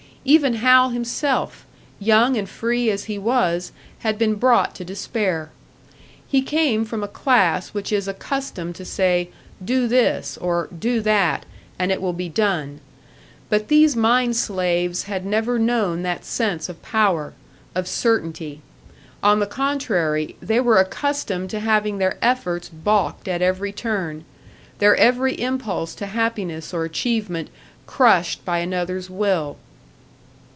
Even Hal himself, young and free as he was, had been brought to despair. He came from a class which is accustomed to say, "Do this," or "Do that," and it will be done. But these mine slaves had never known that sense of power, of certainty; on the contrary, they were accustomed to having their efforts balked at every turn, their every impulse to happiness or achievement crushed by another's will.